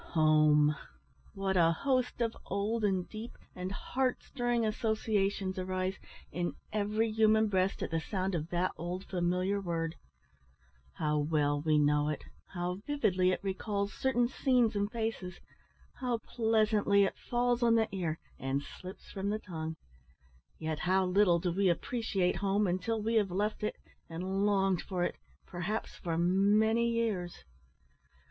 Home! What a host of old and deep and heart stirring associations arise in every human breast at the sound of that old familiar word! How well we know it how vividly it recalls certain scenes and faces how pleasantly it falls on the ear, and slips from the tongue yet how little do we appreciate home until we have left it, and longed for it, perhaps, for many years.